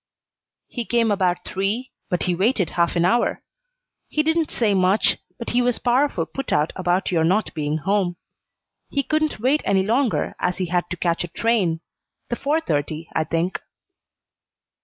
"He came about three, but he waited half an hour. He didn't say much, but he was powerful put out about your not being home. He couldn't wait any longer, as he had to catch a train the four thirty, I think."